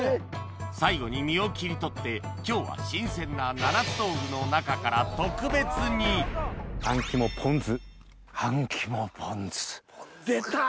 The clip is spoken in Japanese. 最後に身を切り取って今日は新鮮な七つ道具の中から特別にあん肝ポン酢。出た！